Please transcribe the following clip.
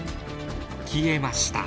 消えました。